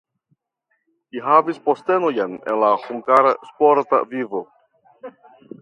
Li havis postenojn en la hungara sporta vivo.